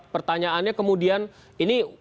pertanyaannya kemudian ini